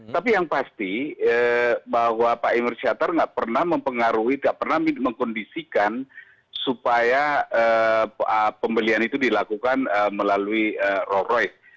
tapi yang pasti bahwa pak emir syatar nggak pernah mempengaruhi tidak pernah mengkondisikan supaya pembelian itu dilakukan melalui roll royce